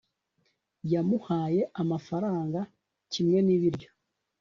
yamuhaye amafaranga kimwe n'ibiryo